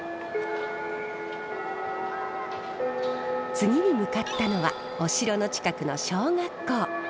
次に向かったのはお城の近くの小学校。